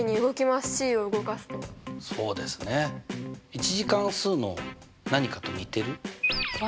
１次関数の何かと似てる？